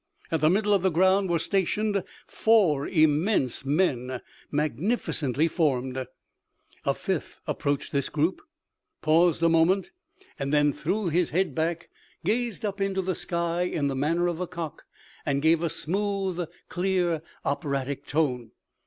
At the middle of the ground were stationed four immense men, magnificently formed. A fifth approached this group, paused a moment, and then threw his head back, gazed up into the sky in the manner of a cock and gave a smooth, clear operatic tone.